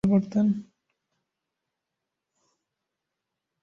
তিনি এগুলোকে তাঁর শখ, ফটোগ্রাফির বিষয় হিসেবেও ব্যবহার করতেন।